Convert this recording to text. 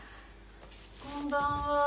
こんばんは。